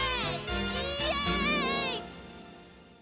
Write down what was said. イエイ！